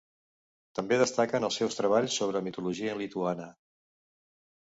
També destaquen els seus treballs sobre mitologia lituana.